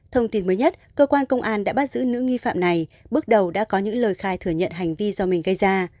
thông tin mới nhất cơ quan công an đã bắt giữ nữ nghi phạm này bước đầu đã có những lời khai thừa nhận hành vi do mình gây ra